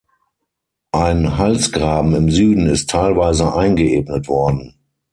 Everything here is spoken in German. Ein Halsgraben im Süden ist teilweise eingeebnet worden.